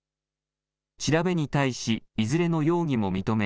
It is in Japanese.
調べに対しいずれの容疑も認め